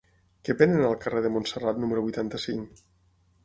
Què venen al carrer de Montserrat número vuitanta-cinc?